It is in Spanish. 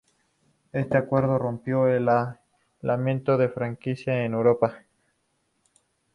Este acuerdo rompió el aislamiento del franquismo en Europa.